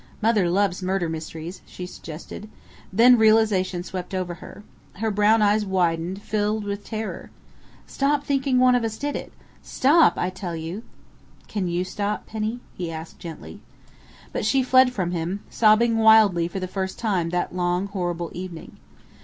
Mother loves murder mysteries," she suggested. Then realization swept over her. Her brown eyes widened, filled with terror. "Stop thinking one of us did it! Stop, I tell you!" "Can you stop, Penny?" he asked gently. But she fled from him, sobbing wildly for the first time that long, horrible evening.